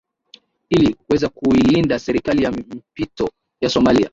ili kuweza kuilinda serikali ya mpito ya somalia